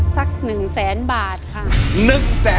สัก๑๐๐๐๐๐บาทค่ะ